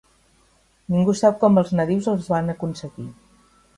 Ningú sap com els nadius els van aconseguir .